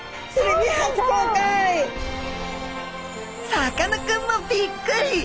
さかなクンもびっくり！